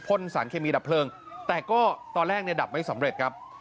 สารเคมีดับเพลิงแต่ก็ตอนแรกเนี่ยดับไม่สำเร็จครับ